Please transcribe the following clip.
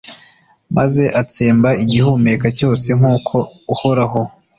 maze atsemba igihumeka cyose, nk'uko uhoraho